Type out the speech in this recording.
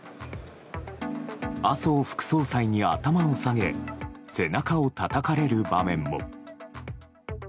麻生副総裁に頭を下げ背中をたたかれる場面も。